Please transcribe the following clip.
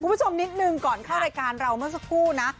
คุณผู้ชมนิดหนึ่งก่อนเข้ารายการเราเมื่อสักครู่นะ